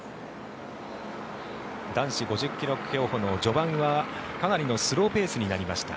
男子５０ｋｍ競歩の序盤はかなりのスローペースになりました。